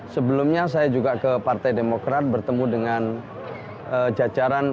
sebelumnya saya juga ke partai demokrat bertemu dengan jajaran